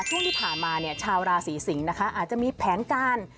ช่วงที่ผ่านมาเนี่ยชาวราศีสิงศ์นะคะอาจจะมีแผนการ